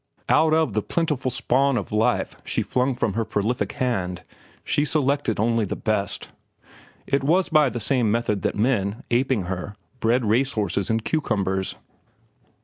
Out of the plentiful spawn of life she flung from her prolific hand she selected only the best. It was by the same method that men, aping her, bred race horses and cucumbers.